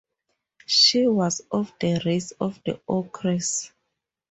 She was of the race of the ogres.